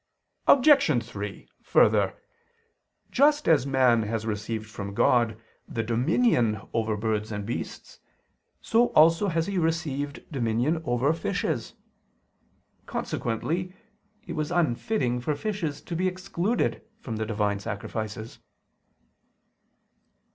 Obj. 3: Further, just as man has received from God the dominion over birds and beasts, so also has he received dominion over fishes. Consequently it was unfitting for fishes to be excluded from the divine sacrifices.